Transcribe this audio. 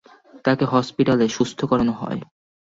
তাকে হসপিটালে সুস্থ করানো হয়।